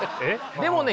でもね